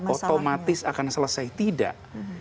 otomatis akan selesai tidak